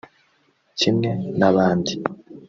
kimwe n’abandi